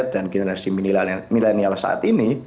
dan generasi milenial saat ini